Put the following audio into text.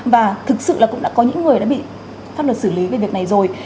và thực sự là cũng đã có những người đã bị pháp luật xử lý về việc này rồi